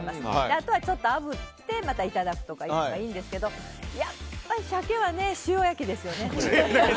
あとはちょっと炙っていただくとかがいいんですけどやっぱり、サケは塩焼きですよね。